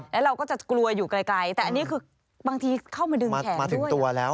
แล้วเราก็จะกลัวอยู่ไกลแต่อันนี้คือบางทีเข้ามาดึงมาถึงตัวแล้ว